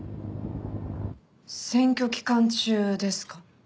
選挙期間中ですか？